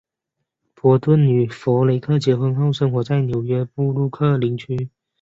波顿与弗雷克结婚后生活在纽约布鲁克林区。